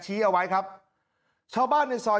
เอาไว้ครับชาวบ้านในซอย